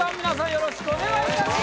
よろしくお願いします